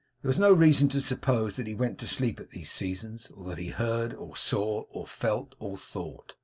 There was no reason to suppose that he went to sleep at these seasons, or that he heard, or saw, or felt, or thought.